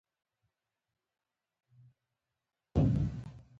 چې ادې پكښې ګلان ګنډلي وو زما مور ته يې وركړي.